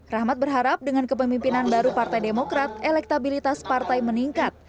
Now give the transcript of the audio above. rahmat berharap dengan kepemimpinan baru partai demokrat elektabilitas partai meningkat